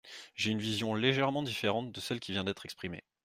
J’ai une vision légèrement différente de celle qui vient d’être exprimée.